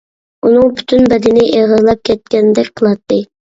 ئۇنىڭ پۈتۈن بەدىنى ئېغىرلاپ كەتكەندەك قىلاتتى.